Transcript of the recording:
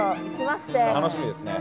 楽しみですね。